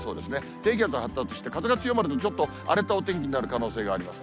低気圧が発達して風が強まるとちょっと荒れたお天気になる可能性があります。